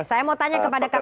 saya mau tanya kepada kpk